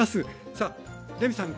さあレミさん